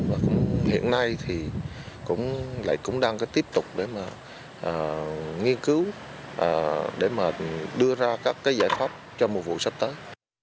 và hiện nay thì cũng lại cũng đang tiếp tục để mà nghiên cứu để mà đưa ra các cái giải pháp cho mùa vụ sắp tới